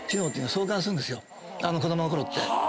子供のころって。